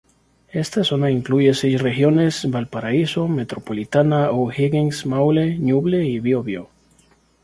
Esta zona incluye seis regiones: Valparaíso, Metropolitana, O'Higgins, Maule, Ñuble y Biobío.